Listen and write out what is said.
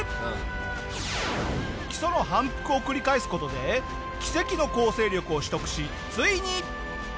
基礎の反復を繰り返す事で奇跡の構成力を取得しついに。